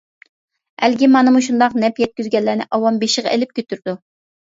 ئەلگە مانا مۇشۇنداق نەپ يەتكۈزگەنلەرنى ئاۋام بېشىغا ئېلىپ كۆتۈرىدۇ.